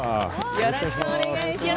よろしくお願いします。